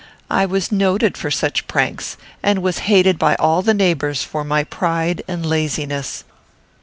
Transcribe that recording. I was noted for such pranks, and was hated by all the neighbours for my pride and laziness.